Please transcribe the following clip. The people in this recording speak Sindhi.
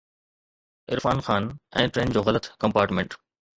عرفان خان ۽ ٽرين جو غلط ڪمپارٽمينٽ